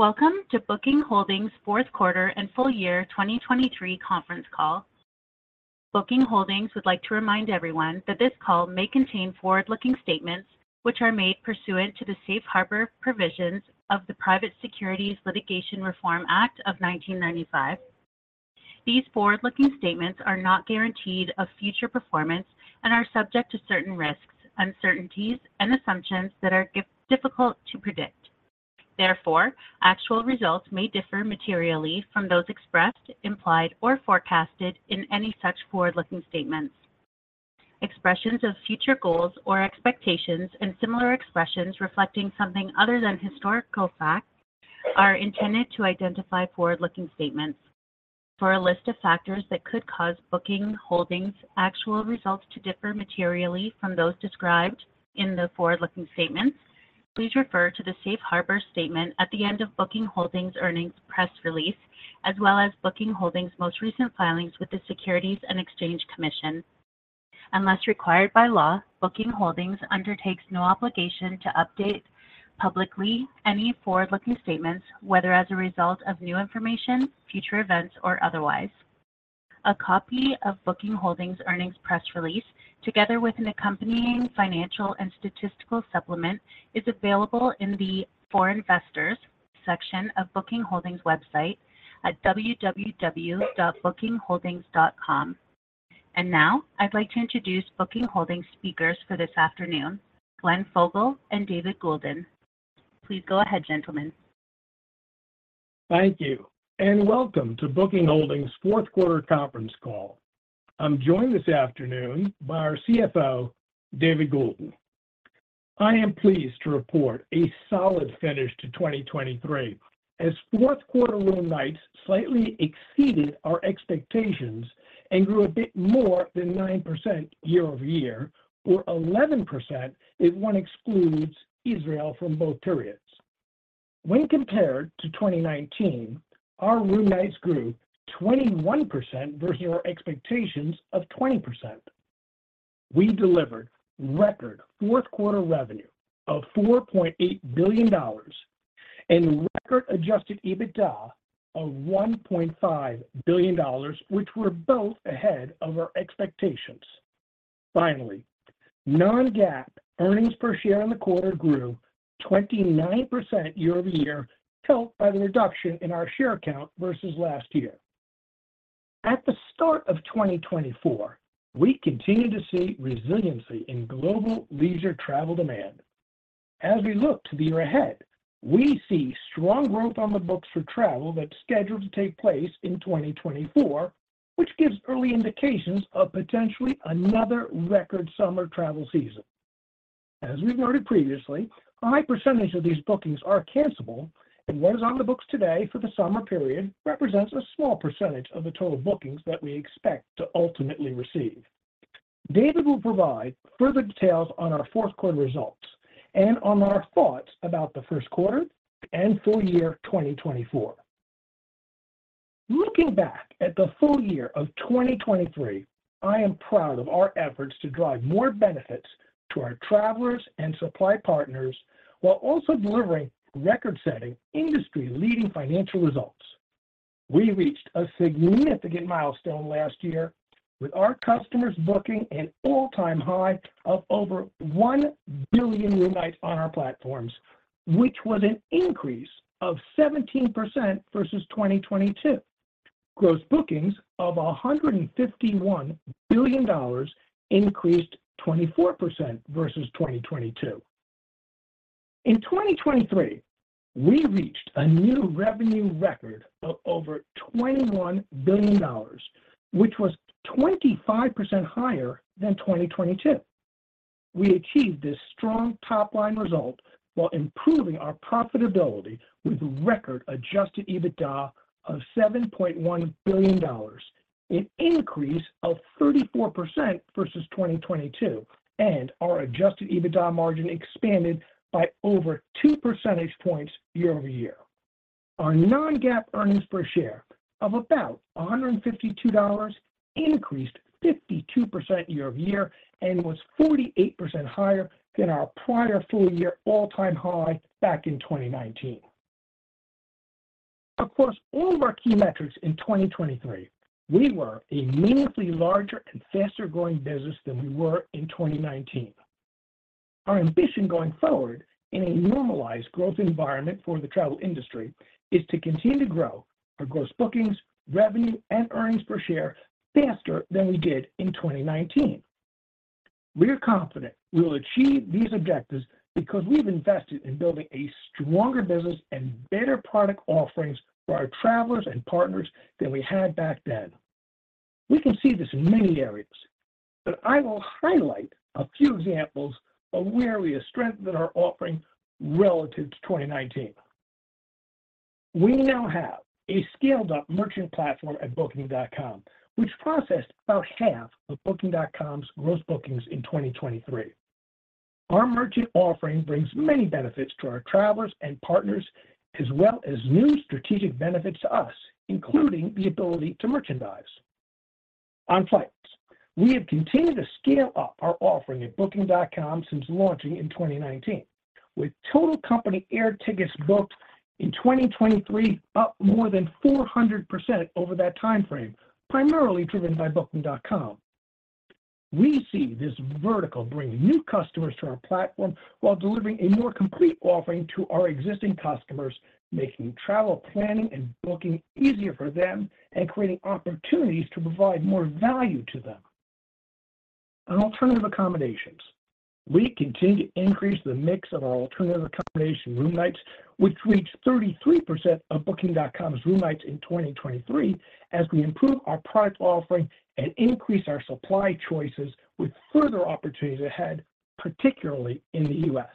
Welcome to Booking Holdings' fourth quarter and full year 2023 conference call. Booking Holdings would like to remind everyone that this call may contain forward-looking statements which are made pursuant to the Safe Harbor provisions of the Private Securities Litigation Reform Act of 1995. These forward-looking statements are not guaranteed of future performance and are subject to certain risks, uncertainties, and assumptions that are difficult to predict. Therefore, actual results may differ materially from those expressed, implied, or forecasted in any such forward-looking statements. Expressions of future goals or expectations and similar expressions reflecting something other than historical fact are intended to identify forward-looking statements. For a list of factors that could cause Booking Holdings' actual results to differ materially from those described in the forward-looking statements, please refer to the Safe Harbor statement at the end of Booking Holdings' earnings press release as well as Booking Holdings' most recent filings with the Securities and Exchange Commission. Unless required by law, Booking Holdings undertakes no obligation to update publicly any forward-looking statements, whether as a result of new information, future events, or otherwise. A copy of Booking Holdings' earnings press release, together with an accompanying financial and statistical supplement, is available in the For Investors section of Booking Holdings' website at www.bookingholdings.com. And now I'd like to introduce Booking Holdings' speakers for this afternoon, Glenn Fogel and David Goulden. Please go ahead, gentlemen. Thank you and welcome to Booking Holdings' fourth quarter conference call. I'm joined this afternoon by our CFO, David Goulden. I am pleased to report a solid finish to 2023, as fourth quarter room nights slightly exceeded our expectations and grew a bit more than 9% year-over-year, or 11% if one excludes Israel from both periods. When compared to 2019, our room nights grew 21% versus our expectations of 20%. We delivered record fourth quarter revenue of $4.8 billion and record Adjusted EBITDA of $1.5 billion, which were both ahead of our expectations. Finally, non-GAAP earnings per share in the quarter grew 29% year-over-year, helped by the reduction in our share count versus last year. At the start of 2024, we continue to see resiliency in global leisure travel demand. As we look to the year ahead, we see strong growth on the books for travel that's scheduled to take place in 2024, which gives early indications of potentially another record summer travel season. As we've noted previously, a high percentage of these bookings are cancellable, and what is on the books today for the summer period represents a small percentage of the total bookings that we expect to ultimately receive. David will provide further details on our fourth quarter results and on our thoughts about the first quarter and full year 2024. Looking back at the full year of 2023, I am proud of our efforts to drive more benefits to our travelers and supply partners while also delivering record-setting industry-leading financial results. We reached a significant milestone last year with our customers booking an all-time high of over 1 billion room nights on our platforms, which was an increase of 17% versus 2022. Gross bookings of $151 billion increased 24% versus 2022. In 2023, we reached a new revenue record of over $21 billion, which was 25% higher than 2022. We achieved this strong top-line result while improving our profitability with record adjusted EBITDA of $7.1 billion, an increase of 34% versus 2022, and our adjusted EBITDA margin expanded by over two percentage points year-over-year. Our non-GAAP earnings per share of about $152 increased 52% year-over-year and was 48% higher than our prior full year all-time high back in 2019. Across all of our key metrics in 2023, we were a meaningfully larger and faster-growing business than we were in 2019. Our ambition going forward in a normalized growth environment for the travel industry is to continue to grow our gross bookings, revenue, and earnings per share faster than we did in 2019. We are confident we will achieve these objectives because we've invested in building a stronger business and better product offerings for our travelers and partners than we had back then. We can see this in many areas, but I will highlight a few examples of where we have strengthened our offering relative to 2019. We now have a scaled-up merchant platform at Booking.com, which processed about half of Booking.com's gross bookings in 2023. Our merchant offering brings many benefits to our travelers and partners, as well as new strategic benefits to us, including the ability to merchandise. On flights, we have continued to scale up our offering at Booking.com since launching in 2019, with total company air tickets booked in 2023 up more than 400% over that time frame, primarily driven by Booking.com. We see this vertical bringing new customers to our platform while delivering a more complete offering to our existing customers, making travel planning and booking easier for them and creating opportunities to provide more value to them. On alternative accommodations, we continue to increase the mix of our alternative accommodation room nights, which reached 33% of Booking.com's room nights in 2023, as we improve our product offering and increase our supply choices with further opportunities ahead, particularly in the U.S.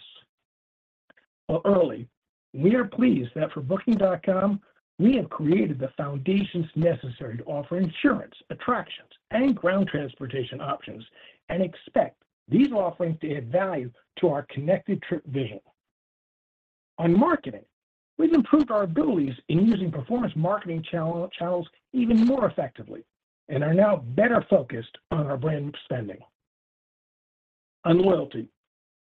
While early, we are pleased that for Booking.com, we have created the foundations necessary to offer insurance, attractions, and ground transportation options and expect these offerings to add value to our Connected Trip vision. On marketing, we've improved our abilities in using performance marketing channels even more effectively and are now better focused on our brand spending. On loyalty,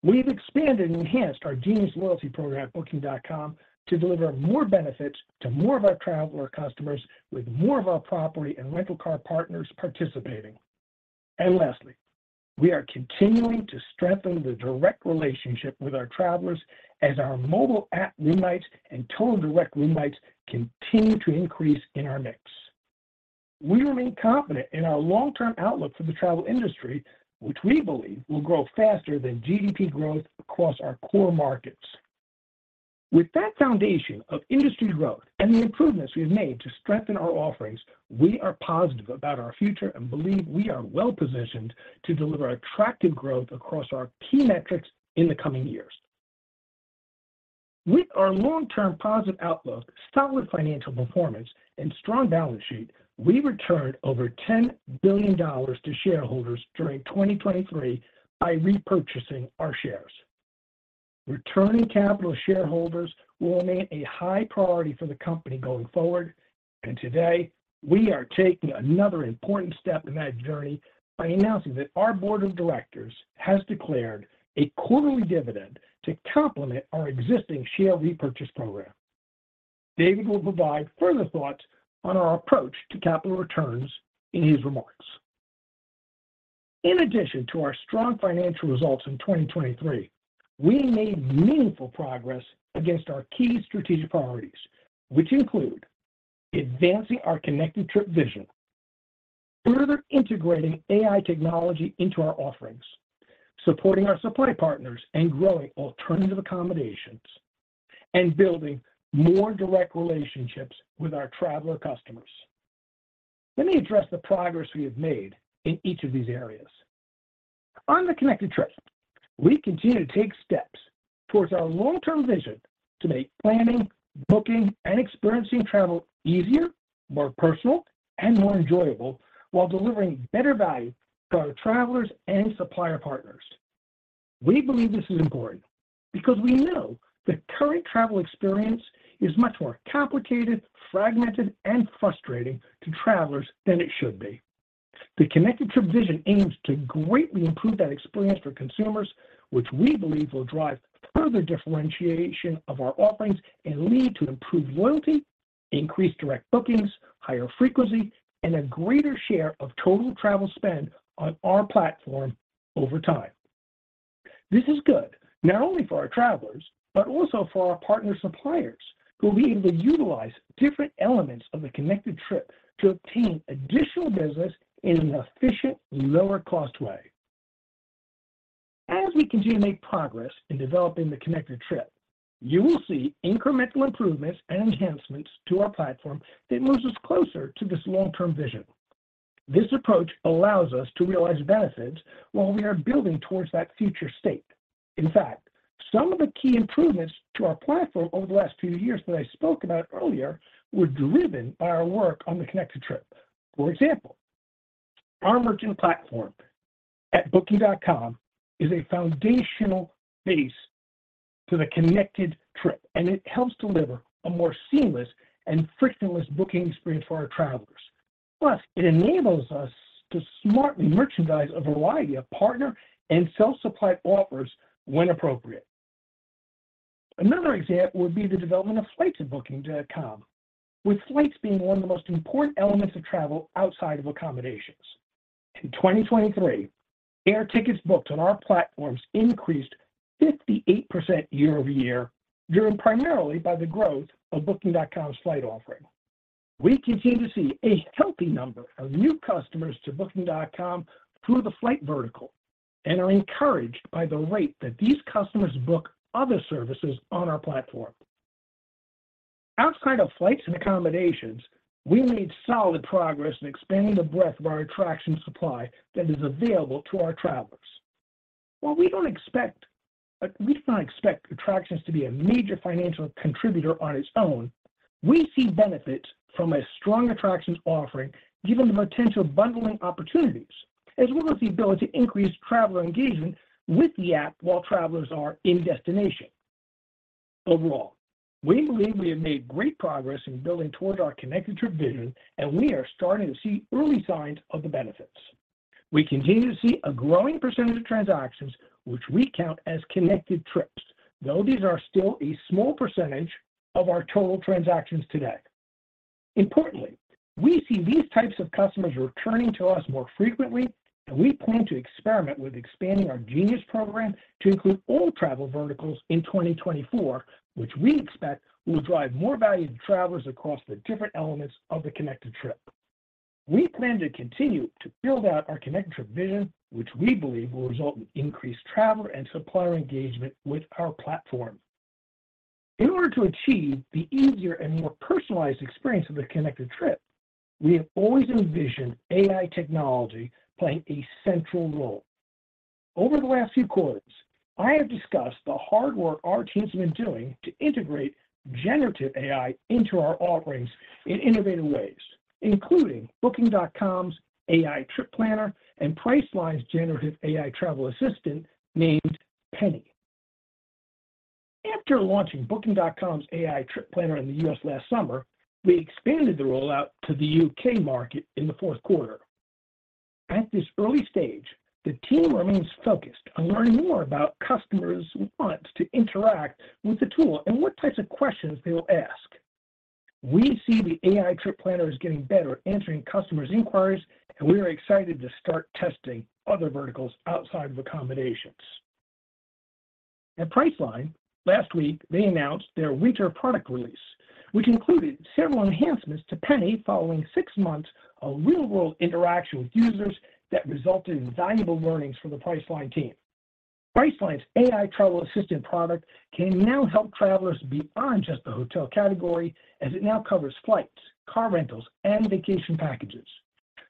we've expanded and enhanced our Genius Loyalty Program at Booking.com to deliver more benefits to more of our traveler customers, with more of our property and rental car partners participating. Lastly, we are continuing to strengthen the direct relationship with our travelers as our mobile app room nights and total direct room nights continue to increase in our mix. We remain confident in our long-term outlook for the travel industry, which we believe will grow faster than GDP growth across our core markets. With that foundation of industry growth and the improvements we've made to strengthen our offerings, we are positive about our future and believe we are well-positioned to deliver attractive growth across our key metrics in the coming years. With our long-term positive outlook, solid financial performance, and strong balance sheet, we returned over $10 billion to shareholders during 2023 by repurchasing our shares. Returning capital to shareholders will remain a high priority for the company going forward, and today we are taking another important step in that journey by announcing that our board of directors has declared a quarterly dividend to complement our existing share repurchase program. David will provide further thoughts on our approach to capital returns in his remarks. In addition to our strong financial results in 2023, we made meaningful progress against our key strategic priorities, which include advancing our Connected Trip vision, further integrating AI technology into our offerings, supporting our supply partners and growing alternative accommodations, and building more direct relationships with our traveler customers. Let me address the progress we have made in each of these areas. On the Connected Trip, we continue to take steps towards our long-term vision to make planning, booking, and experiencing travel easier, more personal, and more enjoyable while delivering better value for our travelers and supplier partners. We believe this is important because we know the current travel experience is much more complicated, fragmented, and frustrating to travelers than it should be. The Connected Trip vision aims to greatly improve that experience for consumers, which we believe will drive further differentiation of our offerings and lead to improved loyalty, increased direct bookings, higher frequency, and a greater share of total travel spend on our platform over time. This is good not only for our travelers but also for our partner suppliers who will be able to utilize different elements of the Connected Trip to obtain additional business in an efficient, lower-cost way. As we continue to make progress in developing the Connected Trip, you will see incremental improvements and enhancements to our platform that move us closer to this long-term vision. This approach allows us to realize benefits while we are building towards that future state. In fact, some of the key improvements to our platform over the last few years that I spoke about earlier were driven by our work on the Connected Trip. For example, our merchant platform at Booking.com is a foundational base to the Connected Trip, and it helps deliver a more seamless and frictionless booking experience for our travelers. Plus, it enables us to smartly merchandise a variety of partner and self-supply offers when appropriate. Another example would be the development of flights at Booking.com, with flights being one of the most important elements of travel outside of accommodations. In 2023, air tickets booked on our platforms increased 58% year-over-year, driven primarily by the growth of Booking.com's flight offering. We continue to see a healthy number of new customers to Booking.com through the flight vertical and are encouraged by the rate that these customers book other services on our platform. Outside of flights and accommodations, we made solid progress in expanding the breadth of our attraction supply that is available to our travelers. While we don't expect attractions to be a major financial contributor on its own, we see benefits from a strong attractions offering given the potential bundling opportunities, as well as the ability to increase traveler engagement with the app while travelers are in destination. Overall, we believe we have made great progress in building towards our Connected Trip vision, and we are starting to see early signs of the benefits. We continue to see a growing percentage of transactions, which we count as connected trips, though these are still a small percentage of our total transactions today. Importantly, we see these types of customers returning to us more frequently, and we plan to experiment with expanding our Genius program to include all travel verticals in 2024, which we expect will drive more value to travelers across the different elements of the connected trip. We plan to continue to build out our connected trip vision, which we believe will result in increased traveler and supplier engagement with our platform. In order to achieve the easier and more personalized experience of the connected trip, we have always envisioned AI technology playing a central role. Over the last few quarters, I have discussed the hard work our team's been doing to integrate generative AI into our offerings in innovative ways, including Booking.com's AI Trip Planner and Priceline's generative AI travel assistant named Penny. After launching Booking.com's AI Trip Planner in the U.S. last summer, we expanded the rollout to the U.K. market in the fourth quarter. At this early stage, the team remains focused on learning more about customers' wants to interact with the tool and what types of questions they will ask. We see the AI Trip Planner as getting better at answering customers' inquiries, and we are excited to start testing other verticals outside of accommodations. At Priceline, last week, they announced their winter product release, which included several enhancements to Penny following six months of real-world interaction with users that resulted in valuable learnings for the Priceline team. Priceline's AI travel assistant product can now help travelers beyond just the hotel category, as it now covers flights, car rentals, and vacation packages.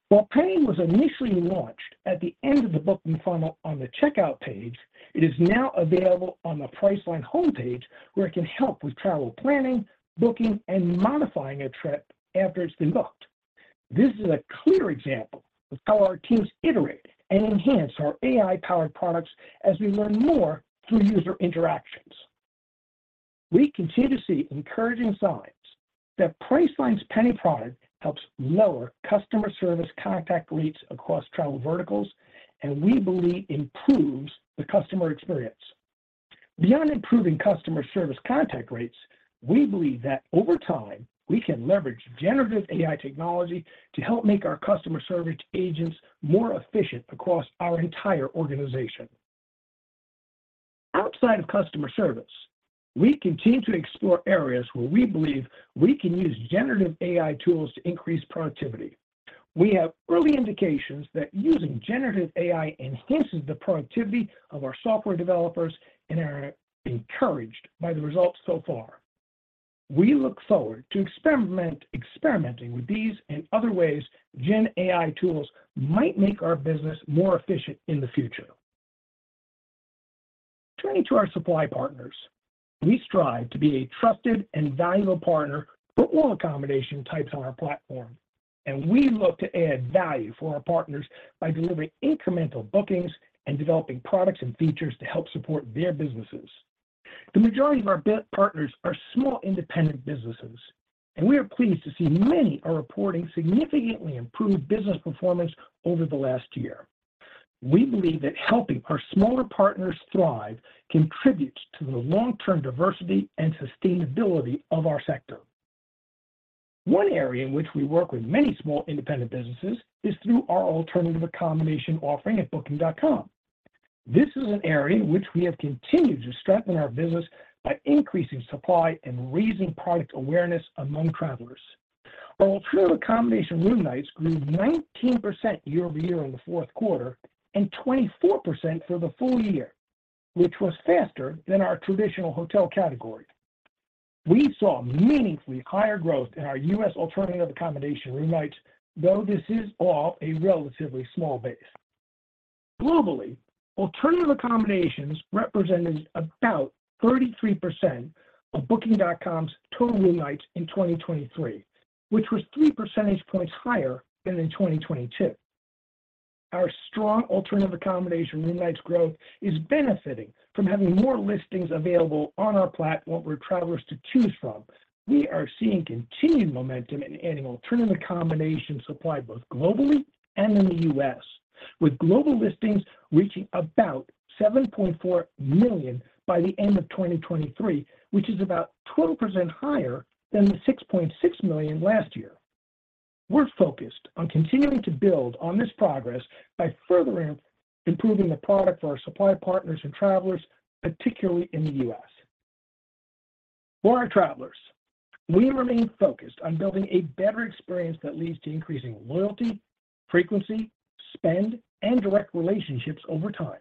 While Penny was initially launched at the end of the booking funnel on the checkout page, it is now available on the Priceline home page, where it can help with travel planning, booking, and modifying a trip after it's been booked. This is a clear example of how our teams iterate and enhance our AI-powered products as we learn more through user interactions. We continue to see encouraging signs that Priceline's Penny product helps lower customer service contact rates across travel verticals, and we believe improves the customer experience. Beyond improving customer service contact rates, we believe that over time we can leverage generative AI technology to help make our customer service agents more efficient across our entire organization. Outside of customer service, we continue to explore areas where we believe we can use generative AI tools to increase productivity. We have early indications that using generative AI enhances the productivity of our software developers and are encouraged by the results so far. We look forward to experimenting with these and other ways gen AI tools might make our business more efficient in the future. Turning to our supply partners, we strive to be a trusted and valuable partner for all accommodation types on our platform, and we look to add value for our partners by delivering incremental bookings and developing products and features to help support their businesses. The majority of our partners are small independent businesses, and we are pleased to see many are reporting significantly improved business performance over the last year. We believe that helping our smaller partners thrive contributes to the long-term diversity and sustainability of our sector. One area in which we work with many small independent businesses is through our alternative accommodation offering at Booking.com. This is an area in which we have continued to strengthen our business by increasing supply and raising product awareness among travelers. Our alternative accommodation room nights grew 19% year-over-year in the fourth quarter and 24% for the full year, which was faster than our traditional hotel category. We saw meaningfully higher growth in our U.S. alternative accommodation room nights, though this is all a relatively small base. Globally, alternative accommodations represented about 33% of Booking.com's total room nights in 2023, which was three percentage points higher than in 2022. Our strong alternative accommodation room nights growth is benefiting from having more listings available on our platform for travelers to choose from. We are seeing continued momentum in adding alternative accommodation supply both globally and in the U.S., with global listings reaching about 7.4 million by the end of 2023, which is about 12% higher than the 6.6 million last year. We're focused on continuing to build on this progress by further improving the product for our supply partners and travelers, particularly in the U.S. For our travelers, we remain focused on building a better experience that leads to increasing loyalty, frequency, spend, and direct relationships over time.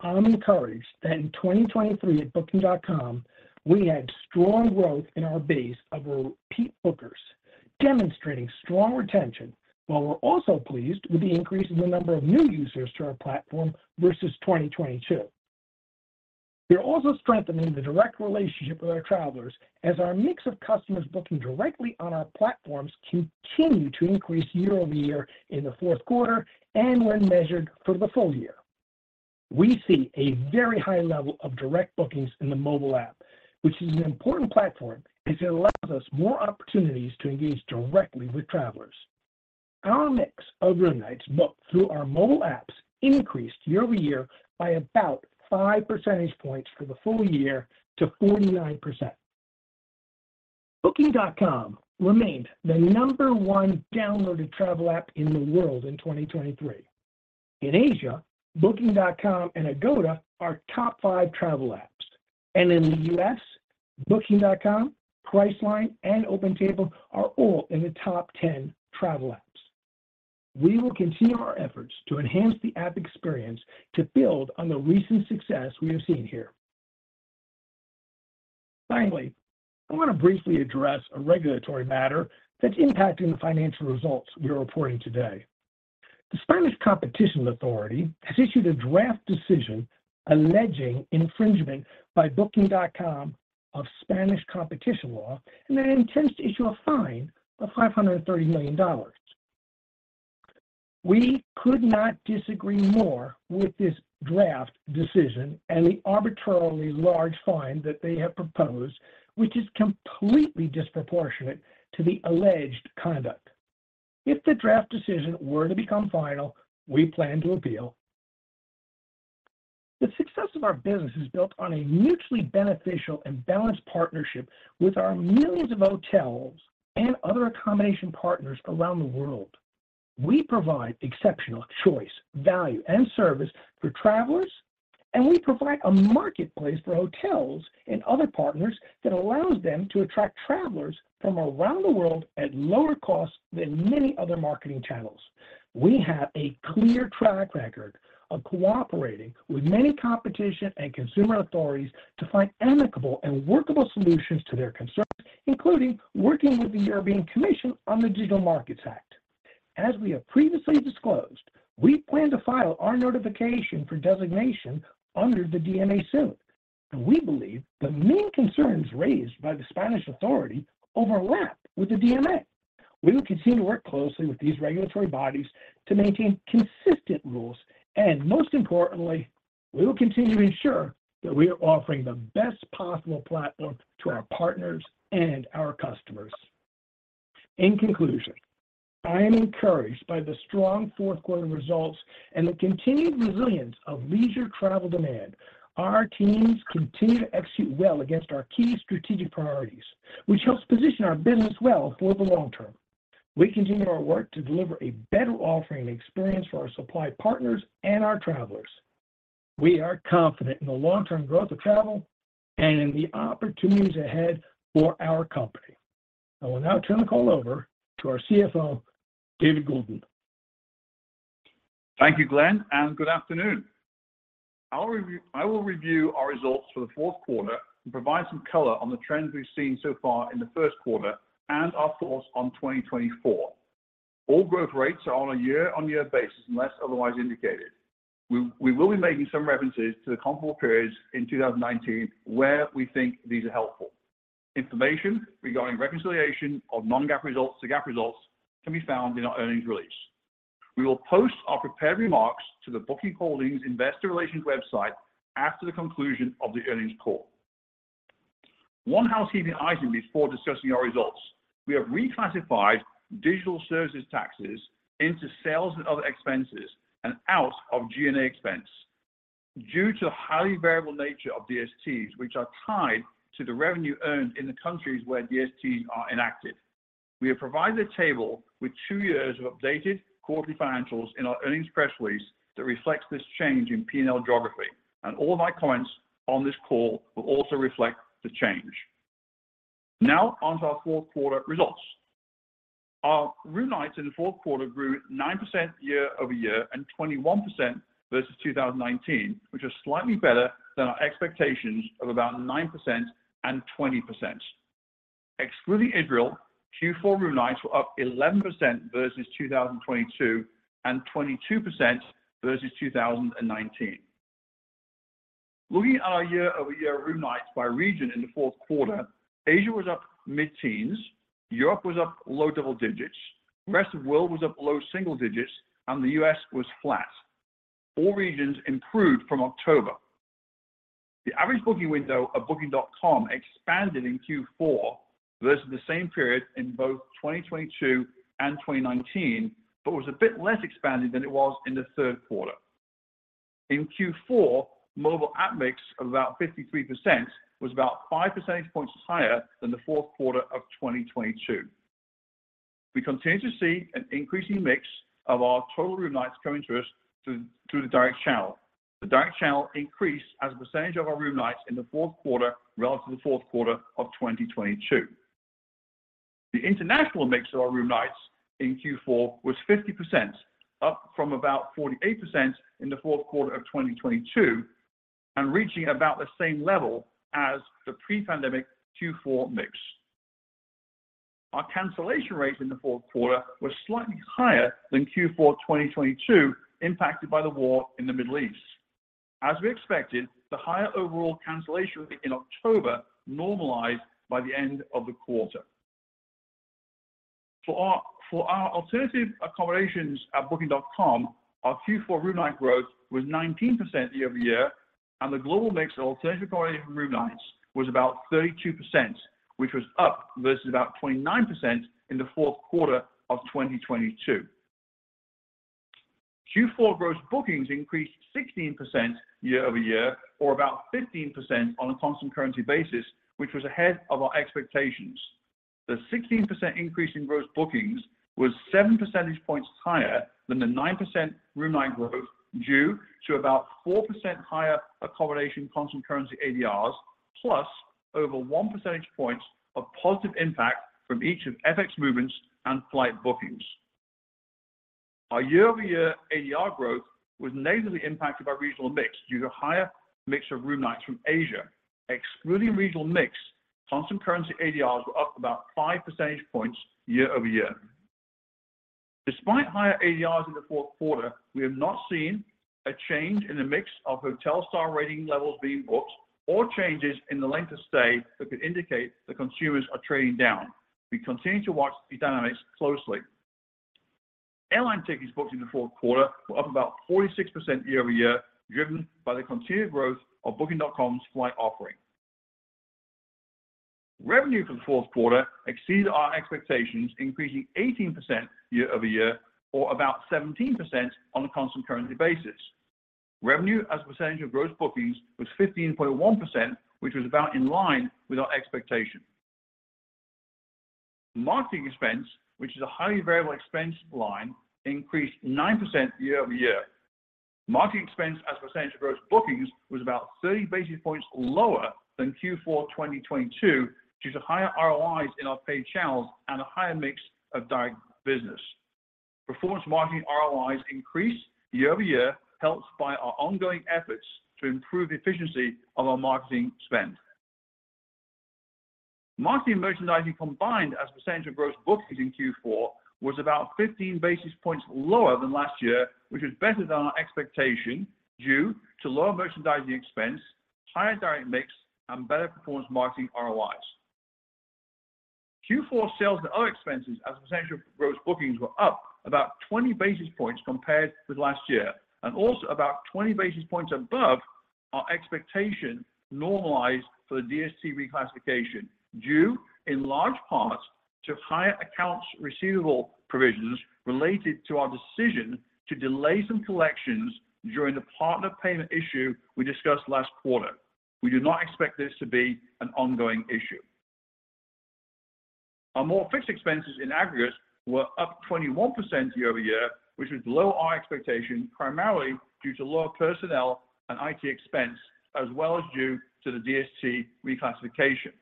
I'm encouraged that in 2023 at Booking.com, we had strong growth in our base of repeat bookers demonstrating strong retention, while we're also pleased with the increase in the number of new users to our platform versus 2022. We're also strengthening the direct relationship with our travelers, as our mix of customers booking directly on our platforms continue to increase year-over-year in the fourth quarter and when measured for the full year. We see a very high level of direct bookings in the mobile app, which is an important platform as it allows us more opportunities to engage directly with travelers. Our mix of room nights booked through our mobile apps increased year-over-year by about five percentage points for the full year to 49%. Booking.com remained the number one downloaded travel app in the world in 2023. In Asia, Booking.com and Agoda are top five travel apps, and in the U.S., Booking.com, Priceline, and OpenTable are all in the top 10 travel apps. We will continue our efforts to enhance the app experience to build on the recent success we have seen here. Finally, I want to briefly address a regulatory matter that's impacting the financial results we are reporting today. The Spanish Competition Authority has issued a draft decision alleging infringement by Booking.com of Spanish competition law and then intends to issue a fine of $530 million. We could not disagree more with this draft decision and the arbitrarily large fine that they have proposed, which is completely disproportionate to the alleged conduct. If the draft decision were to become final, we plan to appeal. The success of our business is built on a mutually beneficial and balanced partnership with our millions of hotels and other accommodation partners around the world. We provide exceptional choice, value, and service for travelers, and we provide a marketplace for hotels and other partners that allows them to attract travelers from around the world at lower costs than many other marketing channels. We have a clear track record of cooperating with many competition and consumer authorities to find amicable and workable solutions to their concerns, including working with the European Commission on the Digital Markets Act. As we have previously disclosed, we plan to file our notification for designation under the DMA soon, and we believe the main concerns raised by the Spanish authority overlap with the DMA. We will continue to work closely with these regulatory bodies to maintain consistent rules, and most importantly, we will continue to ensure that we are offering the best possible platform to our partners and our customers. In conclusion, I am encouraged by the strong fourth quarter results and the continued resilience of leisure travel demand. Our teams continue to execute well against our key strategic priorities, which helps position our business well for the long term. We continue our work to deliver a better offering and experience for our supply partners and our travelers. We are confident in the long-term growth of travel and in the opportunities ahead for our company. I will now turn the call over to our CFO, David Goulden. Thank you, Glenn, and good afternoon. I will review our results for the fourth quarter and provide some color on the trends we've seen so far in the first quarter and our thoughts on 2024. All growth rates are on a year-on-year basis unless otherwise indicated. We will be making some references to the comparable periods in 2019 where we think these are helpful. Information regarding reconciliation of non-GAAP results to GAAP results can be found in our earnings release. We will post our prepared remarks to the Booking Holdings Investor Relations website after the conclusion of the earnings call. One housekeeping item before discussing our results. We have reclassified digital services taxes into sales and other expenses and out of G&A expense due to the highly variable nature of DSTs, which are tied to the revenue earned in the countries where DSTs are enacted. We have provided a table with two years of updated quarterly financials in our earnings press release that reflects this change in P&L geography, and all of my comments on this call will also reflect the change. Now onto our fourth quarter results. Our room nights in the fourth quarter grew 9% year-over-year and 21% versus 2019, which are slightly better than our expectations of about 9% and 20%. Excluding Israel, Q4 room nights were up 11% versus 2022 and 22% versus 2019. Looking at our year-over-year room nights by region in the fourth quarter, Asia was up mid-teens, Europe was up low double digits, the rest of the world was up low single digits, and the U.S. was flat. All regions improved from October. The average booking window of Booking.com expanded in Q4 versus the same period in both 2022 and 2019, but was a bit less expanded than it was in the third quarter. In Q4, mobile app mix of about 53% was about five percentage points higher than the fourth quarter of 2022. We continue to see an increasing mix of our total room nights coming to us through the direct channel. The direct channel increased as a percentage of our room nights in the fourth quarter relative to the fourth quarter of 2022. The international mix of our room nights in Q4 was 50%, up from about 48% in the fourth quarter of 2022, and reaching about the same level as the pre-pandemic Q4 mix. Our cancellation rates in the fourth quarter were slightly higher than Q4 2022, impacted by the war in the Middle East. As we expected, the higher overall cancellation rate in October normalized by the end of the quarter. For our alternative accommodations at Booking.com, our Q4 room night growth was 19% year-over-year, and the global mix of alternative accommodation room nights was about 32%, which was up versus about 29% in the fourth quarter of 2022. Q4 gross bookings increased 16% year-over-year, or about 15% on a constant currency basis, which was ahead of our expectations. The 16% increase in gross bookings was seven percentage points higher than the 9% room night growth due to about 4% higher accommodation constant currency ADRs, plus over one percentage point of positive impact from each of FX movements and flight bookings. Our year-over-year ADR growth was negatively impacted by regional mix due to a higher mix of room nights from Asia. Excluding regional mix, constant currency ADRs were up about 5 percentage points year-over-year. Despite higher ADRs in the fourth quarter, we have not seen a change in the mix of hotel star rating levels being booked or changes in the length of stay that could indicate that consumers are trading down. We continue to watch these dynamics closely. Airline tickets booked in the fourth quarter were up about 46% year-over-year, driven by the continued growth of Booking.com's flight offering. Revenue for the fourth quarter exceeded our expectations, increasing 18% year-over-year, or about 17% on a constant currency basis. Revenue as a percentage of gross bookings was 15.1%, which was about in line with our expectation. Marketing expense, which is a highly variable expense line, increased 9% year-over-year. Marketing expense as a percentage of gross bookings was about 30 basis points lower than Q4 2022 due to higher ROIs in our paid channels and a higher mix of direct business. Performance marketing ROIs increase year-over-year, helped by our ongoing efforts to improve the efficiency of our marketing spend. Marketing merchandising combined as a percentage of gross bookings in Q4 was about 15 basis points lower than last year, which was better than our expectation due to lower merchandising expense, higher direct mix, and better performance marketing ROIs. Q4 sales and other expenses as a percentage of Gross Bookings were up about 20 basis points compared with last year, and also about 20 basis points above our expectation normalized for the DST reclassification due in large parts to higher accounts receivable provisions related to our decision to delay some collections during the partner payment issue we discussed last quarter. We do not expect this to be an ongoing issue. Our more fixed expenses in aggregate were up 21% year-over-year, which was below our expectation, primarily due to lower personnel and IT expense, as well as due to the DST reclassification.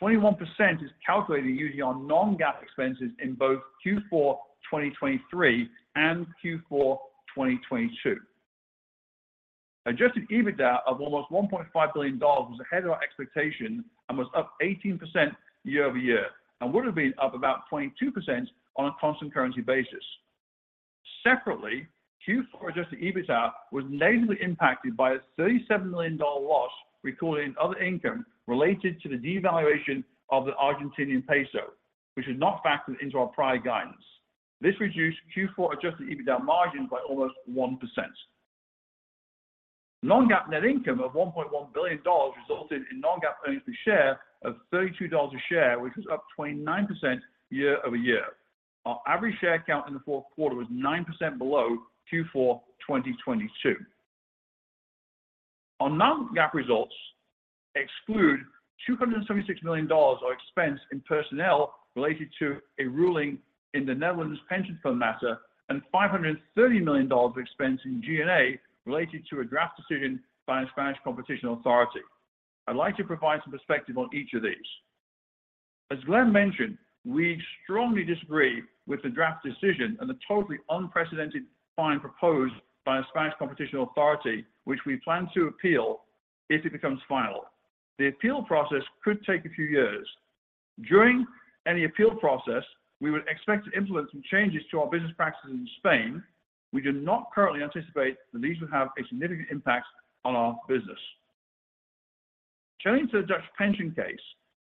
21% is calculated using our non-GAAP expenses in both Q4 2023 and Q4 2022. Adjusted EBITDA of almost $1.5 billion was ahead of our expectation and was up 18% year-over-year and would have been up about 22% on a constant currency basis. Separately, Q4 adjusted EBITDA was negatively impacted by a $37 million loss recorded in other income related to the devaluation of the Argentine peso, which is not factored into our prior guidance. This reduced Q4 adjusted EBITDA margins by almost 1%. Non-GAAP net income of $1.1 billion resulted in Non-GAAP earnings per share of $32 a share, which was up 29% year-over-year. Our average share count in the fourth quarter was 9% below Q4 2022. Our Non-GAAP results exclude $276 million of expense in personnel related to a ruling in the Netherlands pension fund matter and $530 million of expense in G&A related to a draft decision by a Spanish Competition Authority. I'd like to provide some perspective on each of these. As Glenn mentioned, we strongly disagree with the draft decision and the totally unprecedented fine proposed by the Spanish Competition Authority, which we plan to appeal if it becomes final. The appeal process could take a few years. During any appeal process, we would expect to implement some changes to our business practices in Spain. We do not currently anticipate that these would have a significant impact on our business. Turning to the Dutch pension case,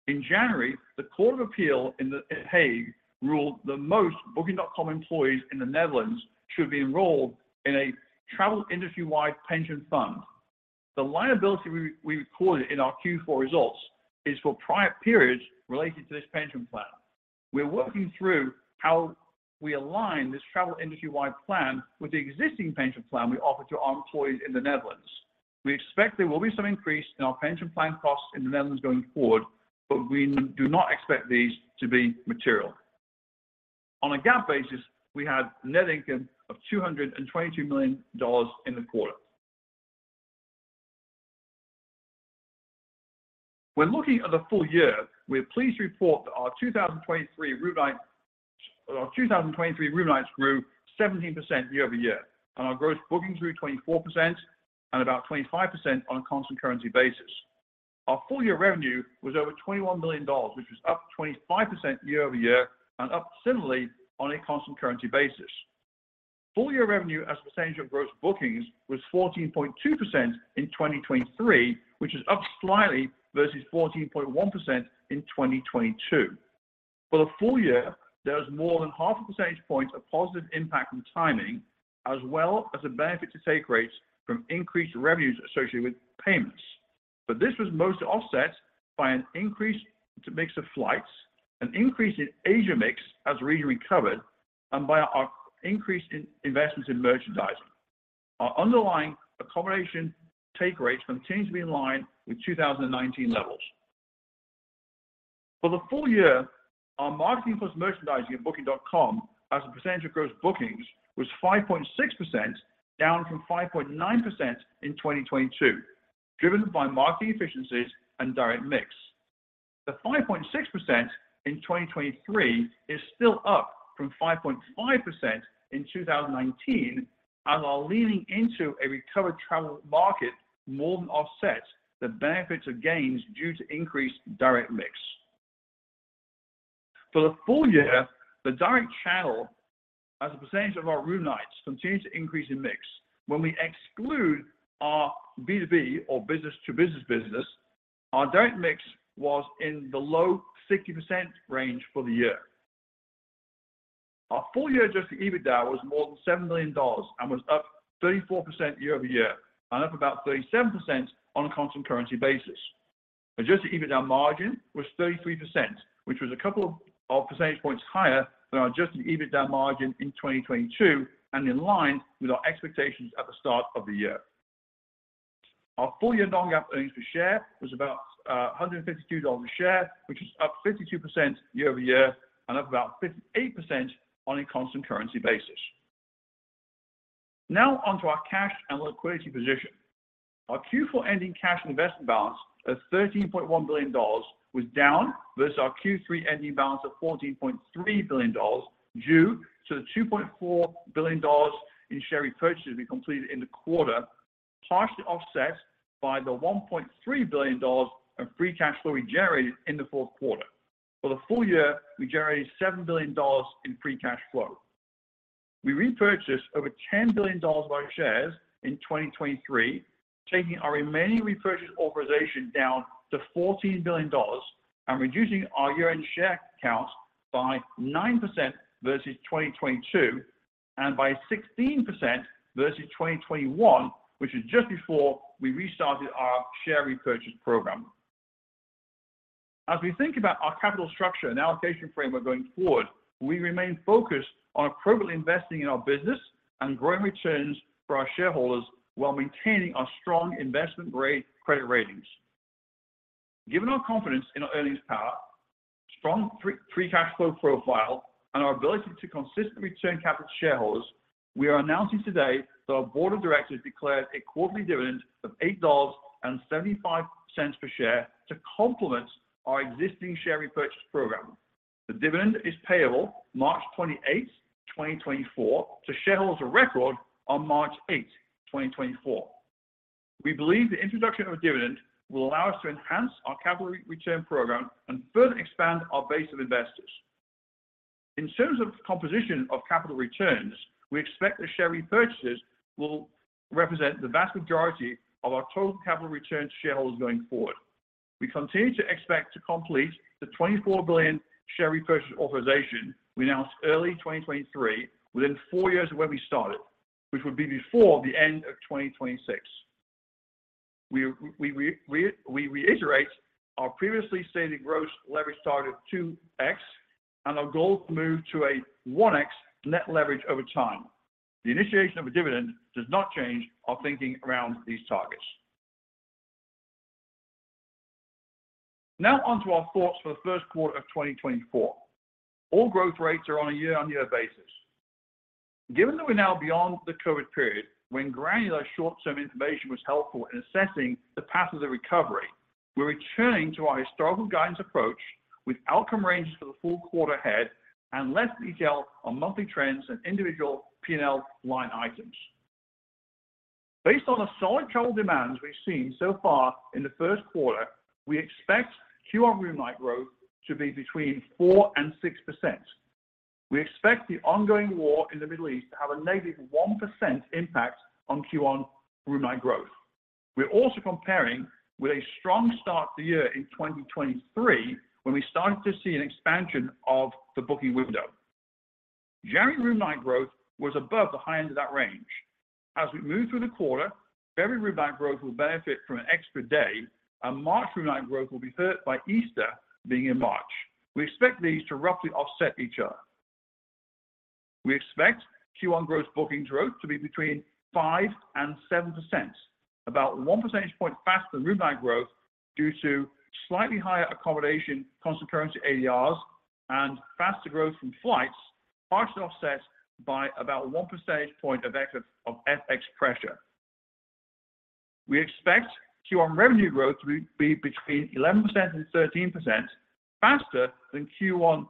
in January, the Court of Appeal in The Hague ruled that most Booking.com employees in the Netherlands should be enrolled in a travel industry-wide pension fund. The liability we recorded in our Q4 results is for prior periods related to this pension plan. We're working through how we align this travel industry-wide plan with the existing pension plan we offer to our employees in the Netherlands. We expect there will be some increase in our pension plan costs in the Netherlands going forward, but we do not expect these to be material. On a GAAP basis, we had net income of $222 million in the quarter. When looking at the full year, we're pleased to report that our 2023 room nights grew 17% year-over-year, and our gross bookings grew 24% and about 25% on a constant currency basis. Our full year revenue was over $21 million, which was up 25% year-over-year and up similarly on a constant currency basis. Full year revenue as a percentage of gross bookings was 14.2% in 2023, which is up slightly versus 14.1% in 2022. For the full year, there was more than half a percentage point of positive impact on timing, as well as a benefit to take rates from increased revenues associated with payments. But this was mostly offset by an increase to mix of flights, an increase in Asia mix as region recovered, and by our increase in investments in merchandising. Our underlying accommodation take rates continue to be in line with 2019 levels. For the full year, our marketing plus merchandising at Booking.com as a percentage of gross bookings was 5.6% down from 5.9% in 2022, driven by marketing efficiencies and direct mix. The 5.6% in 2023 is still up from 5.5% in 2019, as our leaning into a recovered travel market more than offset the benefits of gains due to increased direct mix. For the full year, the direct channel as a percentage of our room nights continues to increase in mix. When we exclude our B2B or business to business business, our direct mix was in the low 60% range for the year. Our full year adjusted EBITDA was more than $7 million and was up 34% year-over-year and up about 37% on a constant currency basis. Adjusted EBITDA margin was 33%, which was a couple of percentage points higher than our adjusted EBITDA margin in 2022 and in line with our expectations at the start of the year. Our full year non-GAAP earnings per share was about $152 a share, which is up 52% year-over-year and up about 58% on a constant currency basis. Now onto our cash and liquidity position. Our Q4 ending cash investment balance of $13.1 billion was down versus our Q3 ending balance of $14.3 billion due to the $2.4 billion in share repurchases we completed in the quarter, partially offset by the $1.3 billion of free cash flow we generated in the fourth quarter. For the full year, we generated $7 billion in free cash flow. We repurchased over $10 billion of our shares in 2023, taking our remaining repurchase authorization down to $14 billion and reducing our year-end share count by 9% versus 2022 and by 16% versus 2021, which is just before we restarted our share repurchase program. As we think about our capital structure and allocation framework going forward, we remain focused on appropriately investing in our business and growing returns for our shareholders while maintaining our strong investment-grade credit ratings. Given our confidence in our earnings power, strong free cash flow profile, and our ability to consistently turn capital to shareholders, we are announcing today that our board of directors declared a quarterly dividend of $8.75 per share to complement our existing share repurchase program. The dividend is payable March 28th, 2024, to shareholders of record on March 8th, 2024. We believe the introduction of a dividend will allow us to enhance our capital return program and further expand our base of investors. In terms of composition of capital returns, we expect the share repurchases will represent the vast majority of our total capital return to shareholders going forward. We continue to expect to complete the $24 billion share repurchase authorization we announced early 2023 within four years of when we started, which would be before the end of 2026. We reiterate our previously stated gross leverage target of 2x and our goal to move to a 1x net leverage over time. The initiation of a dividend does not change our thinking around these targets. Now onto our thoughts for the first quarter of 2024. All growth rates are on a year-on-year basis. Given that we're now beyond the COVID period, when granular short-term information was helpful in assessing the path of the recovery, we're returning to our historical guidance approach with outcome ranges for the full quarter ahead and less detail on monthly trends and individual P&L line items. Based on the solid travel demands we've seen so far in the first quarter, we expect Q1 room night growth to be between 4% and 6%. We expect the ongoing war in the Middle East to have a -1% impact on Q1 room night growth. We're also comparing with a strong start to year in 2023 when we started to see an expansion of the booking window. January room night growth was above the high end of that range. As we move through the quarter, February room night growth will benefit from an extra day, and March room night growth will be hurt by Easter being in March. We expect these to roughly offset each other. We expect Q1 gross bookings growth to be between 5% and 7%, about one percentage point faster than room night growth due to slightly higher accommodation constant currency ADRs and faster growth from flights, partially offset by about one percentage point of [Expedia]. We expect Q1 revenue growth to be between 11% and 13% faster than Q1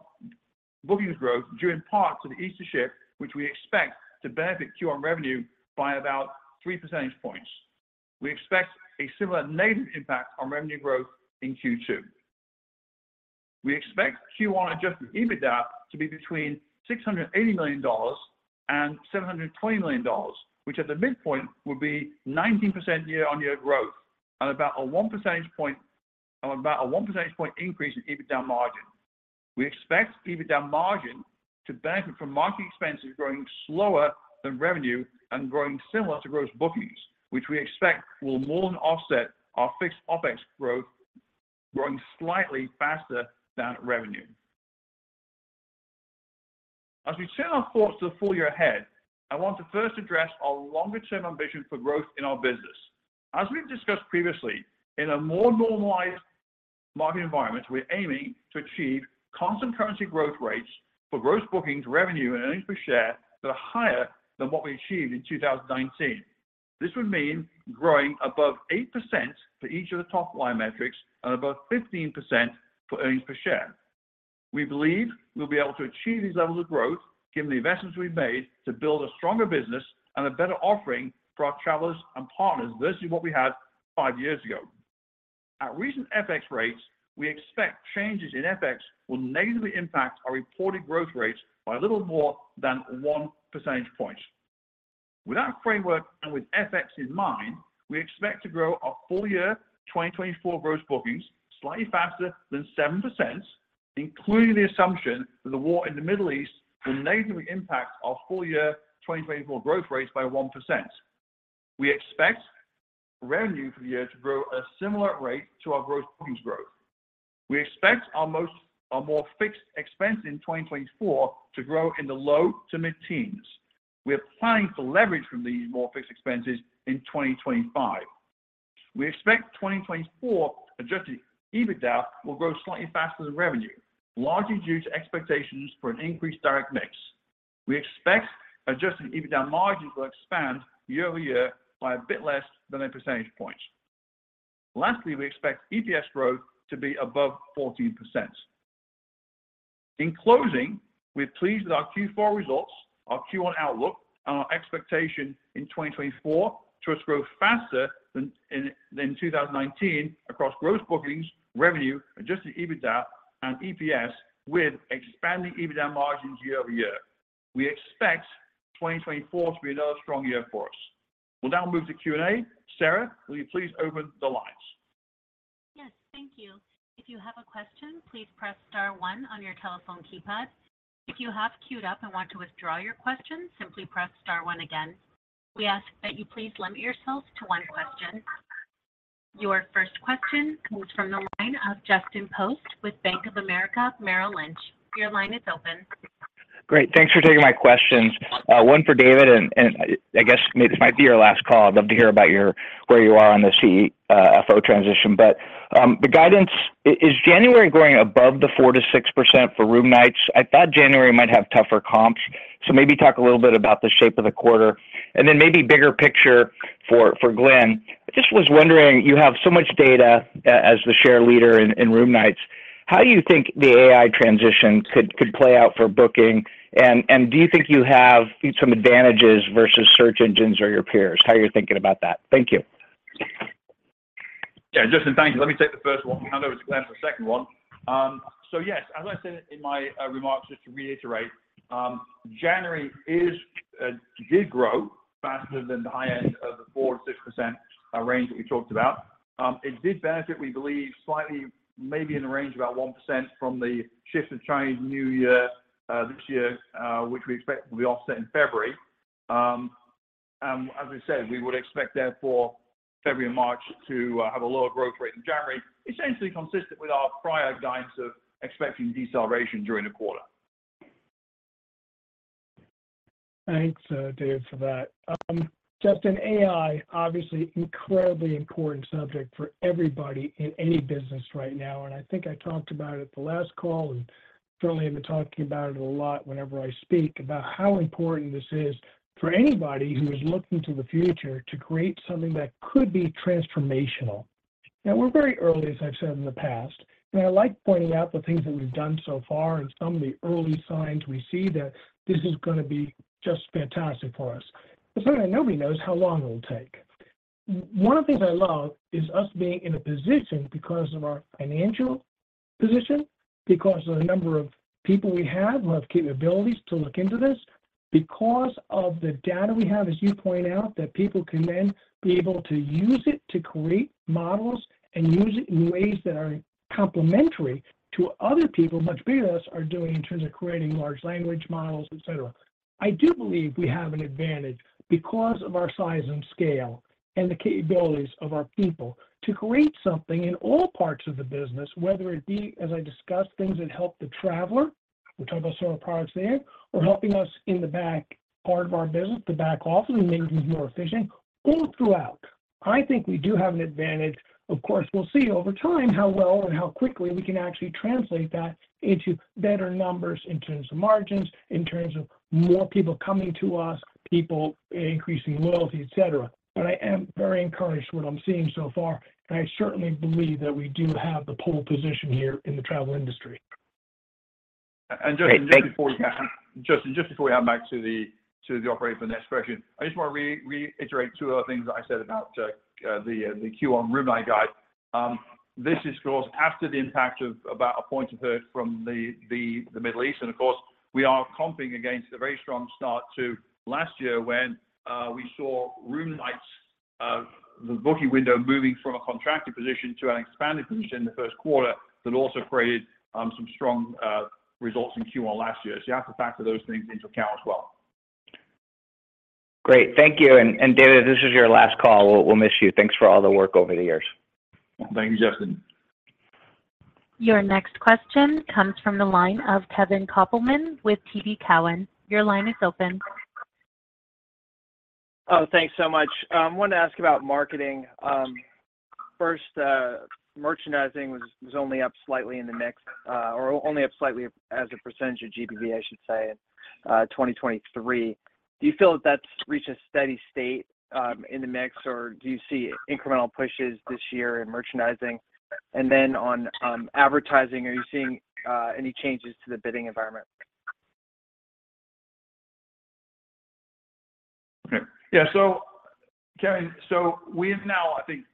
bookings growth due in part to the Easter shift, which we expect to benefit Q1 revenue by about three percentage points. We expect a similar negative impact on revenue growth in Q2. We expect Q1 adjusted EBITDA to be between $680 million and $720 million, which at the midpoint would be 19% year-on-year growth and about a one percentage point increase in EBITDA margin. We expect EBITDA margin to benefit from marketing expenses growing slower than revenue and growing similar to gross bookings, which we expect will more than offset our fixed OpEx growth growing slightly faster than revenue. As we turn our thoughts to the full year ahead, I want to first address our longer-term ambition for growth in our business. As we've discussed previously, in a more normalized market environment, we're aiming to achieve constant currency growth rates for gross bookings, revenue, and earnings per share that are higher than what we achieved in 2019. This would mean growing above 8% for each of the top line metrics and above 15% for earnings per share. We believe we'll be able to achieve these levels of growth given the investments we've made to build a stronger business and a better offering for our travelers and partners versus what we had five years ago. At recent FX rates, we expect changes in FX will negatively impact our reported growth rates by a little more than one percentage point. With our framework and with FX in mind, we expect to grow our full year 2024 gross bookings slightly faster than 7%, including the assumption that the war in the Middle East will negatively impact our full year 2024 growth rates by 1%. We expect revenue for the year to grow at a similar rate to our gross bookings growth. We expect our more fixed expense in 2024 to grow in the low to mid-teens. We're planning to leverage from these more fixed expenses in 2025. We expect 2024 Adjusted EBITDA will grow slightly faster than revenue, largely due to expectations for an increased direct mix. We expect Adjusted EBITDA margins will expand year-over-year by a bit less than a percentage point. Lastly, we expect EPS growth to be above 14%. In closing, we're pleased with our Q4 results, our Q1 outlook, and our expectation in 2024 to us grow faster than in 2019 across gross bookings, revenue, Adjusted EBITDA, and EPS with expanding EBITDA margins year-over-year. We expect 2024 to be another strong year for us. We'll now move to Q&A. Sarah, will you please open the lines? Yes, thank you. If you have a question, please press star one on your telephone keypad. If you have queued up and want to withdraw your question, simply press star one again. We ask that you please limit yourself to one question. Your first question comes from the line of Justin Post with Bank of America Merrill Lynch. Your line is open. Great. Thanks for taking my questions. One for David, and I guess this might be your last call. I'd love to hear about where you are on the CFO transition. But the guidance, is January going above the 4%-6% for room nights? I thought January might have tougher comps, so maybe talk a little bit about the shape of the quarter. And then maybe bigger picture for Glenn. I just was wondering, you have so much data as the share leader in room nights. How do you think the AI transition could play out for Booking? And do you think you have some advantages versus search engines or your peers? How are you thinking about that? Thank you. Yeah, Justin, thank you. Let me take the first one. Hand over to Glenn for the second one. So yes, as I said in my remarks, just to reiterate, January did grow faster than the high end of the 4%-6% range that we talked about. It did benefit, we believe, slightly, maybe in the range of about 1% from the shift of Chinese New Year this year, which we expect will be offset in February. And as we said, we would expect, therefore, February and March to have a lower growth rate in January, essentially consistent with our prior guidance of expecting deceleration during the quarter. Thanks, David, for that. Justin, AI, obviously an incredibly important subject for everybody in any business right now. I think I talked about it the last call, and certainly have been talking about it a lot whenever I speak, about how important this is for anybody who is looking to the future to create something that could be transformational. Now, we're very early, as I've said in the past, and I like pointing out the things that we've done so far and some of the early signs we see that this is going to be just fantastic for us. But something that nobody knows is how long it will take. One of the things I love is us being in a position because of our financial position, because of the number of people we have who have capabilities to look into this, because of the data we have, as you point out, that people can then be able to use it to create models and use it in ways that are complementary to other people much bigger than us are doing in terms of creating large language models, etc. I do believe we have an advantage because of our size and scale and the capabilities of our people to create something in all parts of the business, whether it be, as I discussed, things that help the traveler, we talk about some of our products there, or helping us in the back part of our business, the back office, and making things more efficient all throughout. I think we do have an advantage. Of course, we'll see over time how well and how quickly we can actually translate that into better numbers in terms of margins, in terms of more people coming to us, people increasing loyalty, etc. But I am very encouraged with what I'm seeing so far, and I certainly believe that we do have the pole position here in the travel industry. Justin, just before we hand back to the operator for the next question, I just want to reiterate two other things that I said about the Q1 room night guide. This is, of course, after the impact of about a point of hurt from the Middle East. Of course, we are comping against a very strong start to last year when we saw room nights, the booking window, moving from a contracted position to an expanded position in the first quarter that also created some strong results in Q1 last year. You have to factor those things into account as well. Great. Thank you. And David, this is your last call. We'll miss you. Thanks for all the work over the years. Thank you, Justin. Your next question comes from the line of Kevin Kopelman with TD Cowen. Your line is open. Oh, thanks so much. I wanted to ask about marketing. First, merchandising was only up slightly in the mix or only up slightly as a percentage of GPV, I should say, in 2023. Do you feel that that's reached a steady state in the mix, or do you see incremental pushes this year in merchandising? And then on advertising, are you seeing any changes to the bidding environment? Okay. Yeah. So, Kevin, so we have now, I think,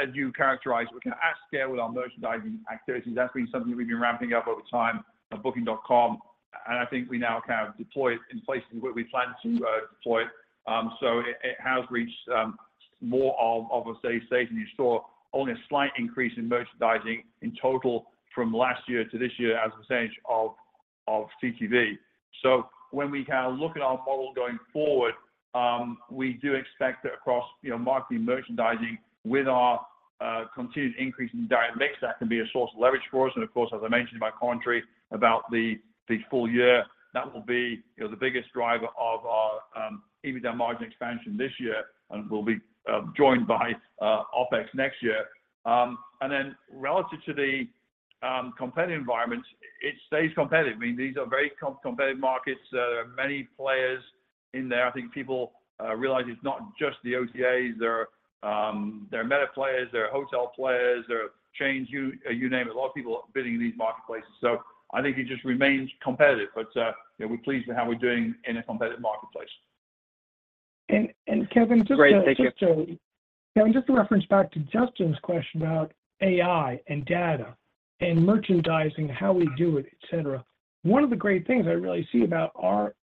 as you characterized, we kind of achieved scale with our merchandising activities. That's been something that we've been ramping up over time on Booking.com. And I think we now kind of deploy it in places where we plan to deploy it. So it has reached more of a steady state, and you saw only a slight increase in merchandising in total from last year to this year as a percentage of TTV. So when we kind of look at our model going forward, we do expect that across marketing merchandising with our continued increase in direct mix, that can be a source of leverage for us. And of course, as I mentioned in my commentary about the full year, that will be the biggest driver of our EBITDA margin expansion this year and will be joined by OPEX next year. And then relative to the competitive environments, it stays competitive. I mean, these are very competitive markets. There are many players in there. I think people realize it's not just the OTAs. There are meta players. There are hotel players. There are chains. You name it. A lot of people are bidding in these marketplaces. So I think it just remains competitive. But we're pleased with how we're doing in a competitive marketplace. Kevin, just to Great. Thank you. Just to, Kevin, just to reference back to Justin's question about AI and data and merchandising, how we do it, etc., one of the great things I really see about our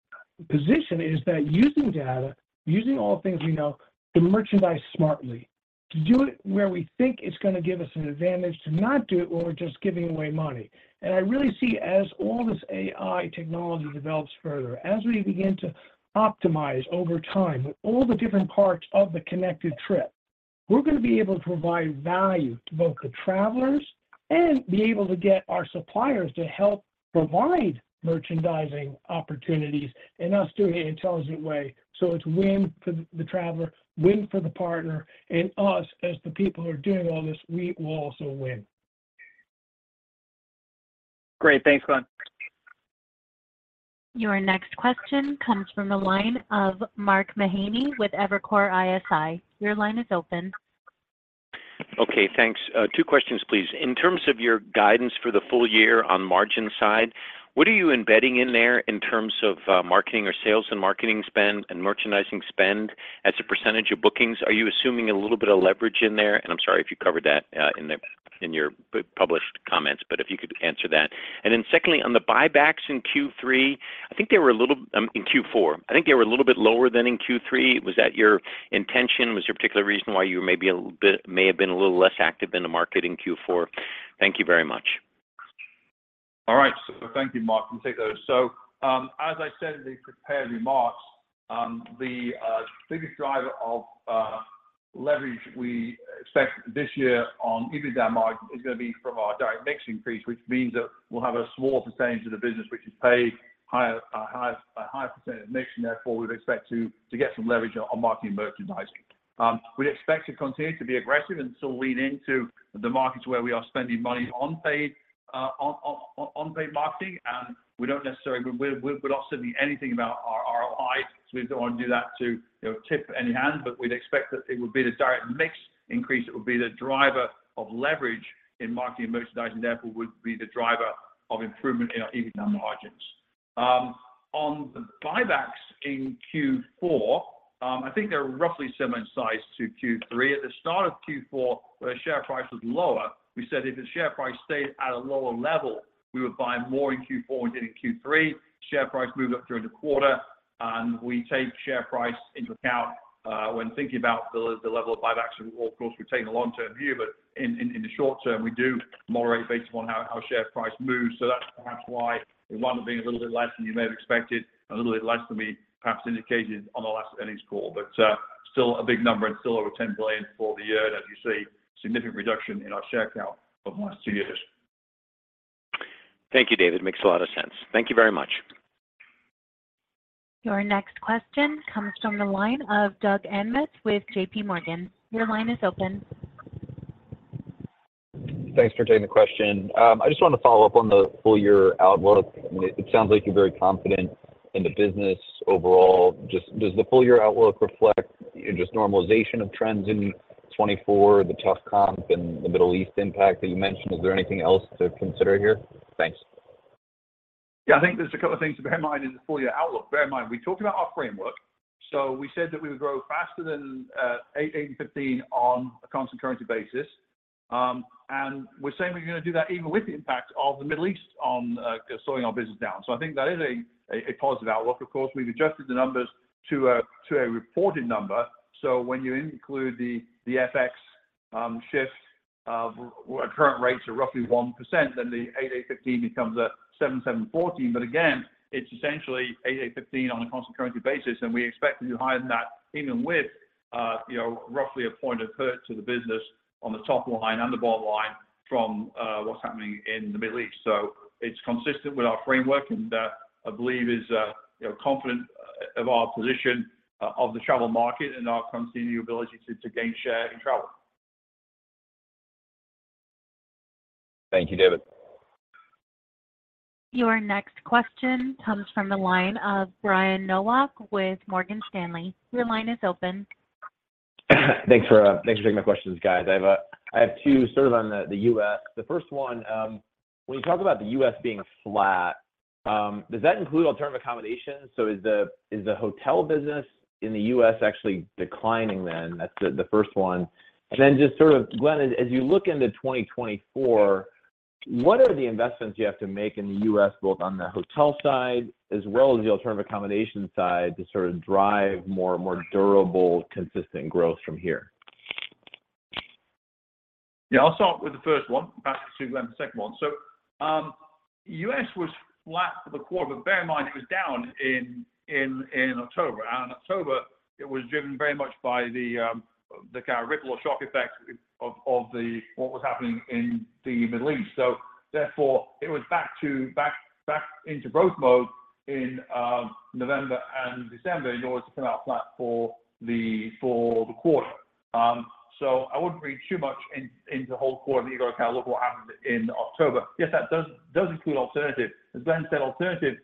position is that using data, using all the things we know, to merchandise smartly, to do it where we think it's going to give us an advantage, to not do it where we're just giving away money. And I really see, as all this AI technology develops further, as we begin to optimize over time with all the different parts of the connected trip, we're going to be able to provide value to both the travelers and be able to get our suppliers to help provide merchandising opportunities and us doing it in an intelligent way. So it's win for the traveler, win for the partner, and us as the people who are doing all this, we will also win. Great. Thanks, Glenn. Your next question comes from the line of Mark Mahaney with Evercore ISI. Your line is open. Okay. Thanks. Two questions, please. In terms of your guidance for the full year on margin side, what are you embedding in there in terms of marketing or sales and marketing spend and merchandising spend as a percentage of bookings? Are you assuming a little bit of leverage in there? And I'm sorry if you covered that in your published comments, but if you could answer that. And then secondly, on the buybacks in Q3, I think they were a little, I mean, in Q4. I think they were a little bit lower than in Q3. Was that your intention? Was there a particular reason why you maybe may have been a little less active in the market in Q4? Thank you very much. All right. So thank you, Mark. I'm going to take those. So as I said in these prepared remarks, the biggest driver of leverage we expect this year on EBITDA margin is going to be from our direct mix increase, which means that we'll have a smaller percentage of the business which is paid a higher percentage of mix. And therefore, we would expect to get some leverage on marketing merchandising. We expect to continue to be aggressive and still lean into the markets where we are spending money on paid marketing. And we don't necessarily—we're not saying anything about our ROI, so we don't want to do that to tip any hands. But we'd expect that it would be the direct mix increase that would be the driver of leverage in marketing and merchandising. Therefore, it would be the driver of improvement in our EBITDA margins. On the buybacks in Q4, I think they're roughly similar in size to Q3. At the start of Q4, where share price was lower, we said if the share price stayed at a lower level, we would buy more in Q4 than in Q3. Share price moved up during the quarter, and we take share price into account when thinking about the level of buybacks. And of course, we're taking a long-term view, but in the short term, we do moderate based upon how share price moves. So that's perhaps why it wound up being a little bit less than you may have expected, a little bit less than we perhaps indicated on our last earnings call. But still a big number and still over $10 billion for the year, and as you see, significant reduction in our share count over the last two years. Thank you, David. Makes a lot of sense. Thank you very much. Your next question comes from the line of Doug Anmuth with J.P. Morgan. Your line is open. Thanks for taking the question. I just wanted to follow up on the full year outlook. I mean, it sounds like you're very confident in the business overall. Does the full year outlook reflect just normalization of trends in 2024, the tough comp, and the Middle East impact that you mentioned? Is there anything else to consider here? Thanks. Yeah. I think there's a couple of things to bear in mind in the full year outlook. Bear in mind, we talked about our framework. So we said that we would grow faster than 8%-15% on a constant currency basis. And we're saying we're going to do that even with the impact of the Middle East on slowing our business down. So I think that is a positive outlook. Of course, we've adjusted the numbers to a reported number. So when you include the FX shift of current rates of roughly 1%, then the 8%-15% becomes a 7%-14%. But again, it's essentially 8%-15% on a constant currency basis, and we expect to do higher than that even with roughly a point of hurt to the business on the top line and the bottom line from what's happening in the Middle East. It's consistent with our framework, and I believe is confident of our position of the travel market and our continued ability to gain share in travel. Thank you, David. Your next question comes from the line of Brian Nowak with Morgan Stanley. Your line is open. Thanks for taking my questions, guys. I have two sort of on the U.S. The first one, when you talk about the U.S. being flat, does that include alternative accommodations? So is the hotel business in the U.S. actually declining then? That's the first one. And then just sort of, Glenn, as you look into 2024, what are the investments you have to make in the U.S., both on the hotel side as well as the alternative accommodation side to sort of drive more durable, consistent growth from here? Yeah. I'll start with the first one, back to Glenn, the second one. So the U.S. was flat for the quarter, but bear in mind, it was down in October. And in October, it was driven very much by the kind of ripple or shock effect of what was happening in the Middle East. So therefore, it was back into growth mode in November and December in order to come out flat for the quarter. So I wouldn't read too much into the whole quarter that you've got to kind of look at what happened in October. Yes, that does include alternative. As Glenn said, alternative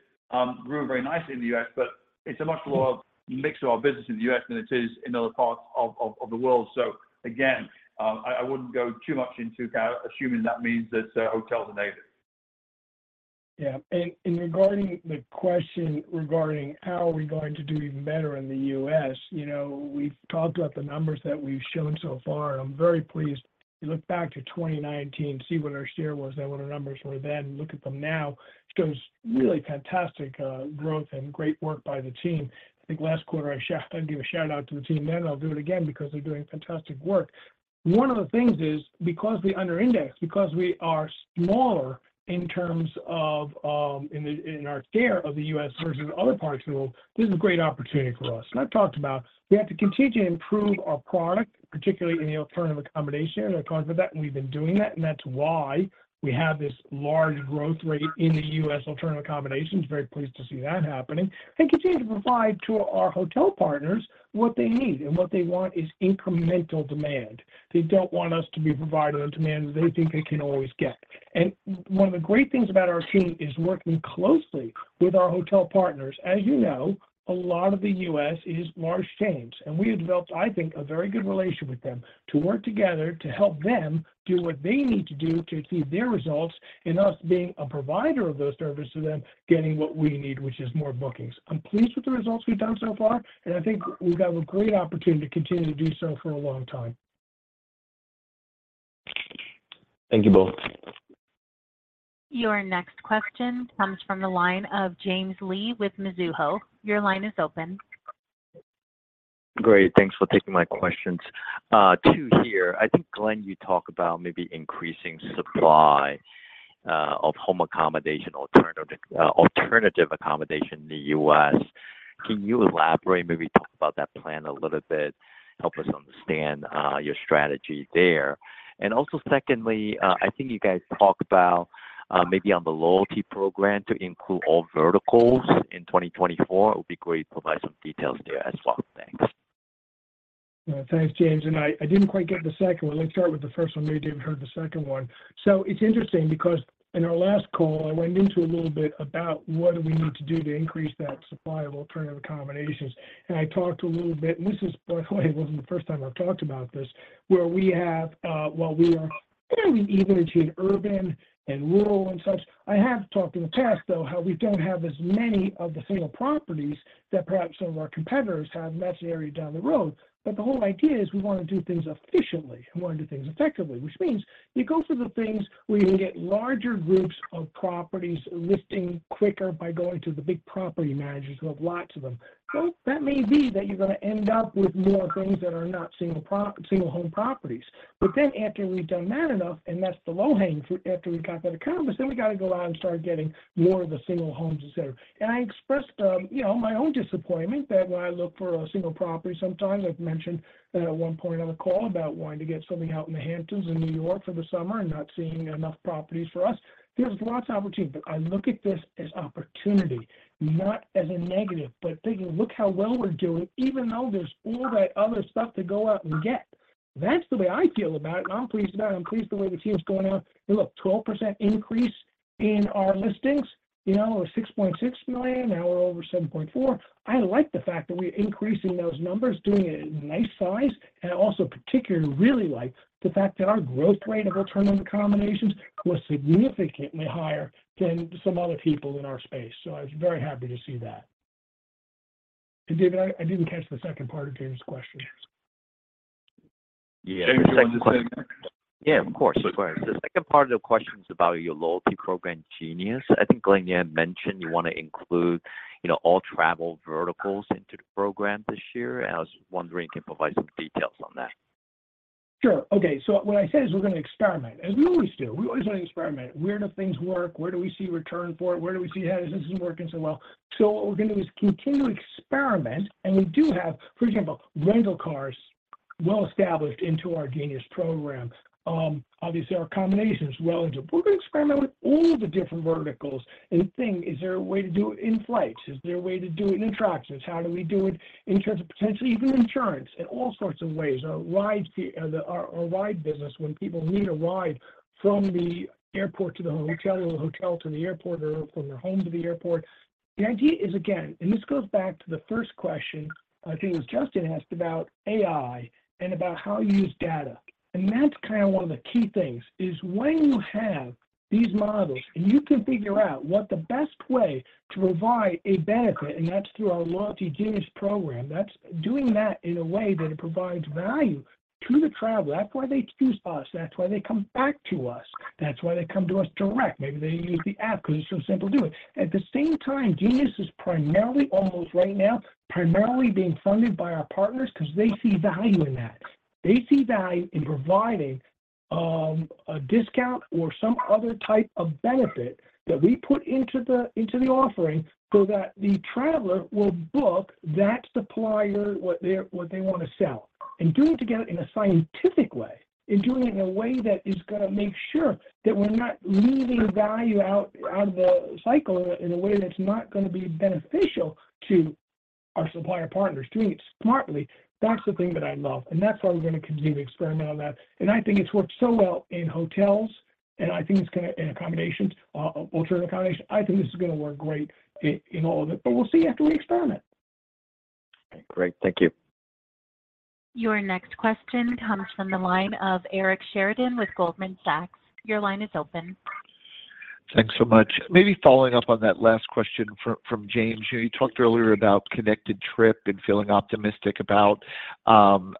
grew very nice in the U.S., but it's a much lower mix of our business in the U.S. than it is in other parts of the world. So again, I wouldn't go too much into kind of assuming that means that hotels are negative. Yeah. Regarding the question regarding how we are going to do even better in the U.S., we've talked about the numbers that we've shown so far, and I'm very pleased you look back to 2019, see what our share was then, what our numbers were then, look at them now. It shows really fantastic growth and great work by the team. I think last quarter, I'll give a shout-out to the team then, and I'll do it again because they're doing fantastic work. One of the things is because we under index, because we are smaller in terms of in our share of the U.S. versus other parts of the world, this is a great opportunity for us. I've talked about we have to continually improve our product, particularly in the alternative accommodation. I talked about that, and we've been doing that. That's why we have this large growth rate in the U.S. alternative accommodations. Very pleased to see that happening and continue to provide to our hotel partners what they need. What they want is incremental demand. They don't want us to be providing them demand that they think they can always get. One of the great things about our team is working closely with our hotel partners. As you know, a lot of the U.S. is large chains. We have developed, I think, a very good relationship with them to work together to help them do what they need to do to achieve their results in us being a provider of those services to them, getting what we need, which is more bookings. I'm pleased with the results we've done so far, and I think we've got a great opportunity to continue to do so for a long time. Thank you both. Your next question comes from the line of James Lee with Mizuho. Your line is open. Great. Thanks for taking my questions. Two here. I think, Glenn, you talked about maybe increasing supply of home accommodation, alternative accommodation in the U.S. Can you elaborate, maybe talk about that plan a little bit, help us understand your strategy there? And also secondly, I think you guys talked about maybe on the loyalty program to include all verticals in 2024. It would be great to provide some details there as well. Thanks. Thanks, James. And I didn't quite get the second one. Let's start with the first one. Maybe you've heard the second one. So it's interesting because in our last call, I went into a little bit about what do we need to do to increase that supply of alternative accommodations. And I talked a little bit and this is, by the way, it wasn't the first time I've talked about this, where we have while we are fairly even between urban and rural and such. I have talked in the past, though, how we don't have as many of the single properties that perhaps some of our competitors have in that area down the road. But the whole idea is we want to do things efficiently. We want to do things effectively, which means you go for the things where you can get larger groups of properties lifting quicker by going to the big property managers who have lots of them. Well, that may be that you're going to end up with more things that are not single-home properties. But then after we've done that enough, and that's the low-hanging fruit after we've got that accomplished, then we got to go out and start getting more of the single homes, etc. I expressed my own disappointment that when I look for a single property sometimes. I've mentioned at one point on the call about wanting to get something out in the Hamptons in New York for the summer and not seeing enough properties for us. There's lots of opportunity. But I look at this as opportunity, not as a negative, but thinking, "Look how well we're doing, even though there's all that other stuff to go out and get." That's the way I feel about it. I'm pleased about it. I'm pleased the way the team's going out. Look, 12% increase in our listings. We're 6.6 million. Now we're over 7.4. I like the fact that we're increasing those numbers, doing it at a nice size. I also particularly really like the fact that our growth rate of alternative accommodations was significantly higher than some other people in our space. So I was very happy to see that. David, I didn't catch the second part of James's question. Yeah. James wanted to say something. Yeah, of course. The second part of the question is about your loyalty program Genius. I think Glenn, you had mentioned you want to include all travel verticals into the program this year. I was wondering if you can provide some details on that? Sure. Okay. So what I said is we're going to experiment, as we always do. We always want to experiment. Where do things work? Where do we see return for it? Where do we see how this isn't working so well? So what we're going to do is continue to experiment. And we do have, for example, rental cars well established into our Genius program. Obviously, our accommodations well into we're going to experiment with all the different verticals. And the thing is, is there a way to do it in flights? Is there a way to do it in attractions? How do we do it in terms of potentially even insurance in all sorts of ways? Our ride business, when people need a ride from the airport to the hotel or the hotel to the airport or from their home to the airport, the idea is, again, and this goes back to the first question I think it was Justin asked about AI and about how you use data. That's kind of one of the key things is when you have these models and you can figure out what the best way to provide a benefit, and that's through our loyalty Genius program, that's doing that in a way that it provides value to the traveler. That's why they choose us. That's why they come back to us. That's why they come to us direct. Maybe they use the app because it's so simple to do it. At the same time, Genius is primarily almost right now primarily being funded by our partners because they see value in that. They see value in providing a discount or some other type of benefit that we put into the offering so that the traveler will book that supplier, what they want to sell, and doing it together in a scientific way and doing it in a way that is going to make sure that we're not leaving value out of the cycle in a way that's not going to be beneficial to our supplier partners, doing it smartly. That's the thing that I love. And that's why we're going to continue to experiment on that. And I think it's worked so well in hotels, and I think it's going to in accommodations, alternative accommodations. I think this is going to work great in all of it. But we'll see after we experiment. All right. Great. Thank you. Your next question comes from the line of Eric Sheridan with Goldman Sachs. Your line is open. Thanks so much. Maybe following up on that last question from James. You talked earlier about Connected Trip and feeling optimistic about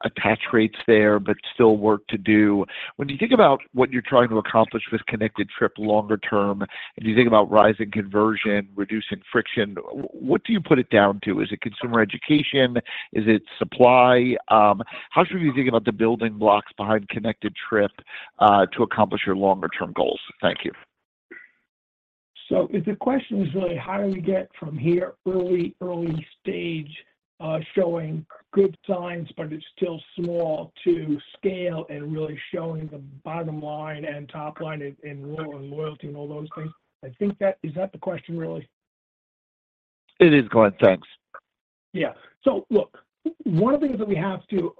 attach rates there but still work to do. When you think about what you're trying to accomplish with Connected Trip longer term, and you think about rising conversion, reducing friction, what do you put it down to? Is it consumer education? Is it supply? How should we think about the building blocks behind Connected Trip to accomplish your longer-term goals? Thank you. So, if the question is really how do we get from here, early-stage showing good signs, but it's still small, to scale and really showing the bottom line and top line in revenue and loyalty and all those things, I think that is the question, really? It is, Glenn. Thanks. Yeah. So look, one of the things that we have to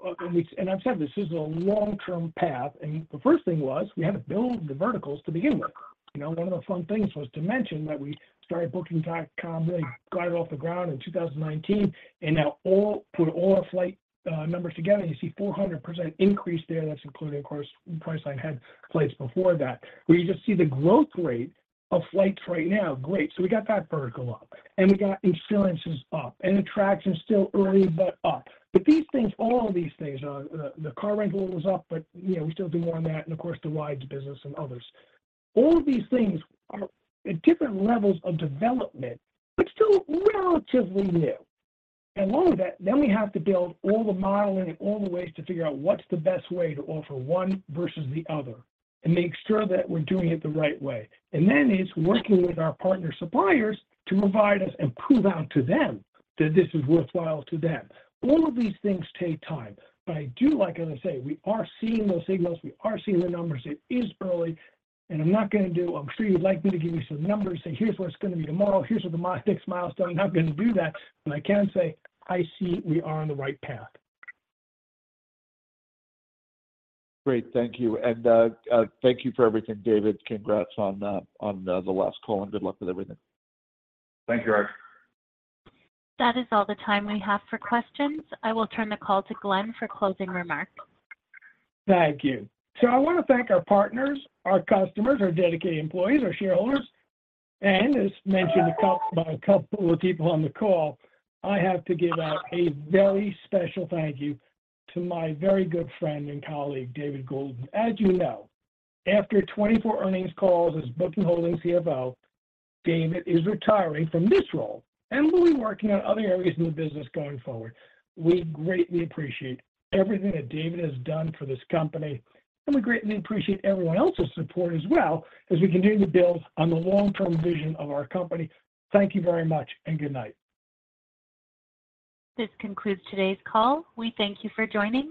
and I've said this is a long-term path. And the first thing was we had to build the verticals to begin with. One of the fun things was to mention that we started Booking.com, really got it off the ground in 2019, and now put all our flight numbers together, and you see 400% increase there. That's including, of course, Priceline flights before that, where you just see the growth rate of flights right now. Great. So we got that vertical up. And we got insurances up. And attractions still early but up. But these things, all of these things, the car rental was up, but we still do more on that. And of course, the rides business and others. All of these things are at different levels of development but still relatively new. And along with that, then we have to build all the modeling and all the ways to figure out what's the best way to offer one versus the other and make sure that we're doing it the right way. And then it's working with our partner suppliers to provide us and prove out to them that this is worthwhile to them. All of these things take time. But I do like, as I say, we are seeing those signals. We are seeing the numbers. It is early. And I'm not going to do. I'm sure you'd like me to give you some numbers and say, "Here's what it's going to be tomorrow. Here's what the next milestone." I'm not going to do that. But I can say I see we are on the right path. Great. Thank you. And thank you for everything, David. Congrats on the last call, and good luck with everything. Thank you, Eric. That is all the time we have for questions. I will turn the call to Glenn for closing remarks. Thank you. So I want to thank our partners, our customers, our dedicated employees, our shareholders. And as mentioned by a couple of people on the call, I have to give out a very special thank you to my very good friend and colleague, David Goulden. As you know, after 24 earnings calls as Booking Holdings CFO, David is retiring from this role and will be working on other areas in the business going forward. We greatly appreciate everything that David has done for this company, and we greatly appreciate everyone else's support as well as we continue to build on the long-term vision of our company. Thank you very much, and good night. This concludes today's call. We thank you for joining.